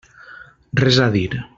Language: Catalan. Res a dir.